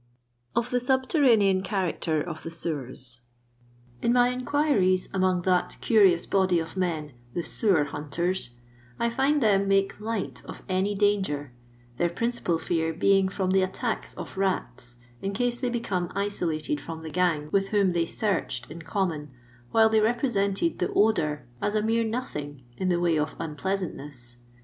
Of tde Subterbaxsax Character op tue Sewers. Ix my inquiries among that curious body of men, the " Sewer Hunters, I found them make light of any danger, their principal fear being from the attacks of rats in case they became isolated from the gang with whom they searched in common, while they represented the odour as a mere no thing in the way of unpleasantness.